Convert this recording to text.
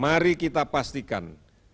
mari kita pastikan